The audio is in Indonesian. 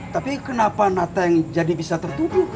tapi kenapa nata yang jadi bisa tertutup